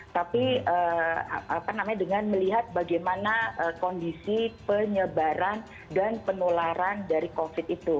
tapi apa namanya dengan melihat bagaimana kondisi penyebaran dan penularan dari covid itu